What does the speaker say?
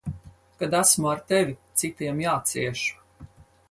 Kad esmu ar tevi, citiem jācieš.